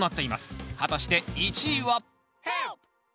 果たして１位は？